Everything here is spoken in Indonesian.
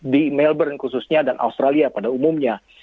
di melbourne khususnya dan australia pada umumnya